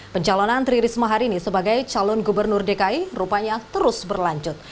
pencalonan tri risma hari ini sebagai calon gubernur dki rupanya terus berlanjut